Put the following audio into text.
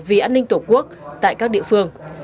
vì an ninh tổ quốc tại các địa phương